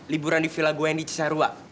liburan di villa gue yang di cisarua